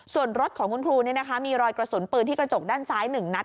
ส่วนรถของคุณครูมีรอยกระสุนปืนที่กระจกด้านซ้าย๑นัด